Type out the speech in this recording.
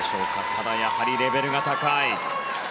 ただ、やはりレベルが高い。